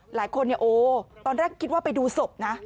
หลายคนตอนแรกคิดว่าไปดูศพนะ